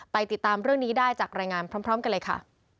ติดตามเรื่องนี้ได้จากรายงานพร้อมกันเลยค่ะ